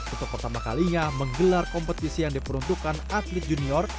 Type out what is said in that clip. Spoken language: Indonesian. untuk pertama kalinya menggelar kompetisi yang diperuntukkan atlet junior